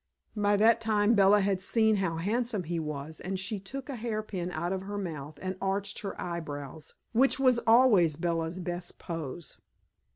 By that time Bella had seen how handsome he was, and she took a hair pin out of her mouth, and arched her eyebrows, which was always Bella's best pose.